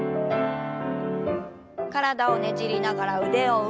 体をねじりながら腕を上。